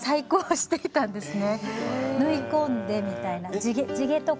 していたんですね。